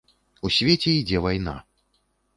У свеце ідзе вайна.